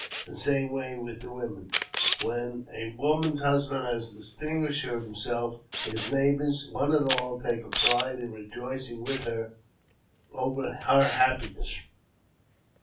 The same way with the women. Whei a woman's husband has distinguished himself, her neighbours,' one and all, take a pride in rejoicing with her over her happi ness.